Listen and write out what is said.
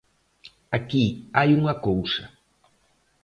Aquí hai unha cousa.